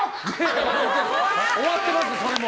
終わってます、それも。